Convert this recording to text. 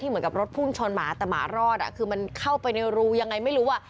เหมือนกับรถพุ่งชนหมาแต่หมารอดคือมันเข้าไปในรูยังไงไม่รู้อ่ะ